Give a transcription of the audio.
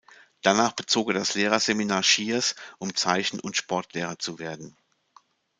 Danach bezog er das Lehrerseminar Schiers, um Zeichen- und Sportlehrer zu werden.